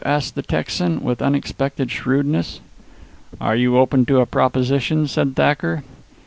asked the Texan, with unexpected shrewdness. "Are you open to a proposition?" said Thacker.